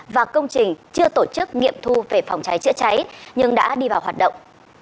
và công trình chưa tổ chức nghiệm thu về phòng cháy chữa cháy nhưng đã đi vào hoạt động